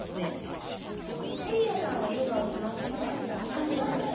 あっしません。